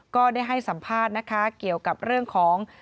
ก็ได้ให้สัมภาษณ์นะคะเกี่ยวกับเรื่องของ